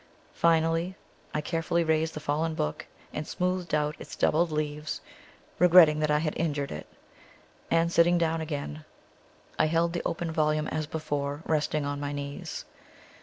Finally, I carefully raised the fallen book, and smoothed out its doubled leaves, regretting that I had injured it; and, sitting down again, I held the open volume as before, resting on my knees.